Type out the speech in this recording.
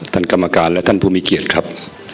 กรรมการและท่านผู้มีเกียรติครับ